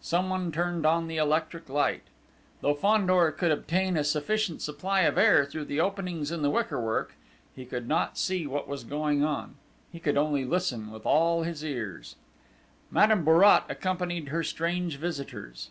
Someone turned on the electric light. Though Fandor could obtain a sufficient supply of air through the openings in the wickerwork, he could not see what was going on: he could only listen with all his ears. Madame Bourrat accompanied her strange visitors.